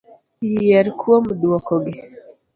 Yier kuom duoko gi.